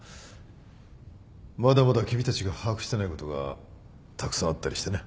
まだまだ君たちが把握してないことがたくさんあったりしてね。